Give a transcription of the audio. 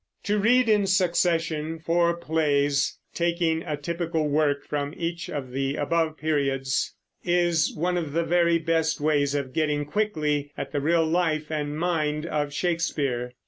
To read in succession four plays, taking a typical work from each of the above periods, is one of the very best ways of getting quickly at the real life and mind of Shakespeare.